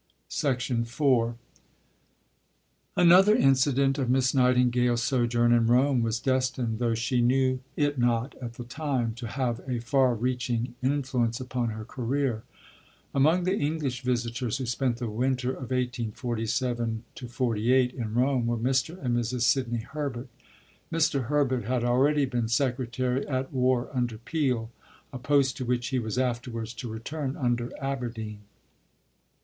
" Letter to M. Mohl, Nov. 21, 1869. IV Another incident of Miss Nightingale's sojourn in Rome was destined, though she knew it not at the time, to have a far reaching influence upon her career. Among the English visitors who spent the winter of 1847 48 in Rome were Mr. and Mrs. Sidney Herbert. Mr. Herbert had already been Secretary at War under Peel, a post to which he was afterwards to return under Aberdeen.